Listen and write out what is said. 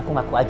buknya dia nipu